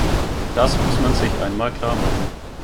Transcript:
Das muss man sich einmal klarmachen.